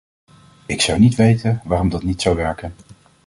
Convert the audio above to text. Ik zou niet weten, waarom dat niet zou werken.